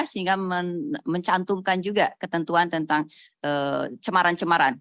sehingga mencantumkan juga ketentuan tentang cemaran cemaran